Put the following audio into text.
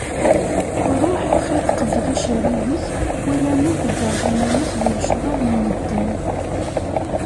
Ruḥ xiḍ qbel acerrig-ik, wala ma teggareḍ iman-ik deg lecɣal n medden!